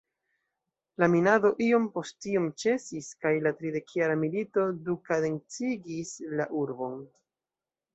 La minado iom post iom ĉesis kaj la "tridekjara milito" dekaden-cigis la urbon.